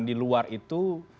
di luar itu